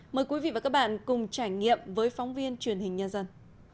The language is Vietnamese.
mời quý vị và các bạn cùng trải nghiệm với phóng viên truyền hình nhân dân